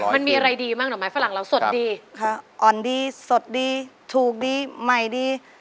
มันมีอะไรดีบ้างห่อไม้ฝรั่งเราสดดีค่ะอ่อนดีสดดีถูกดีใหม่ดี